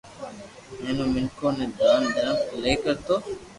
ھين او منيکون ني دان درم ايلائي ڪرتو